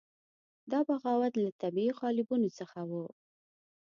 دا بغاوت له طبیعي قالبونو څخه وو.